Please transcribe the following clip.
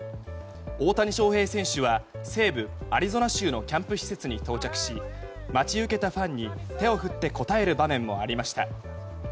大谷翔平選手は西部アリゾナ州のキャンプ施設に到着し待ち受けたファンに手を振って応える場面もありました。